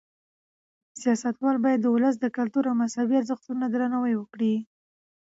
سیاستوال باید د ولس د کلتور او مذهبي ارزښتونو درناوی وکړي.